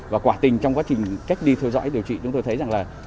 và quả tình trong quá trình cách ly theo dõi điều trị chúng tôi thấy rằng là